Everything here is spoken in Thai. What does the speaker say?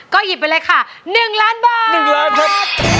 ก็หยิบไปเลยค่ะหนึ่งล้านบาท